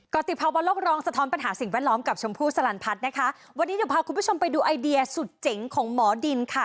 ติภาวะโลกรองสะท้อนปัญหาสิ่งแวดล้อมกับชมพู่สลันพัฒน์นะคะวันนี้เดี๋ยวพาคุณผู้ชมไปดูไอเดียสุดเจ๋งของหมอดินค่ะ